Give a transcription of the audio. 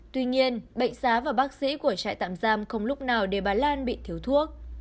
tuy nhiên bệnh xá và bác sĩ của trại tạm giam không lúc nào để bà lan bị thiếu thuốc